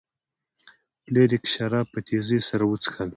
فلیریک شراب په تیزۍ سره وڅښل.